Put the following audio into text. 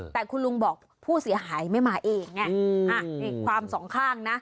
แต่คุณลุงบอกผู้เสียหายไม่มาเองนี่ความสองข้างนะ